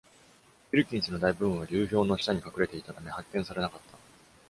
ウィルキンスの大部分は流氷の下に隠れていたため発見されなかった。